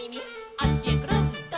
「あっちへくるん」